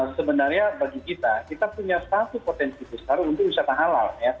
sebenarnya bagi kita kita punya satu potensi besar untuk wisata halal